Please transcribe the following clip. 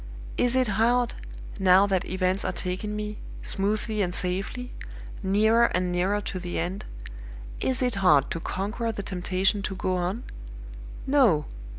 Is it hard, now that events are taking me, smoothly and safely, nearer and nearer to the End is it hard to conquer the temptation to go on? No!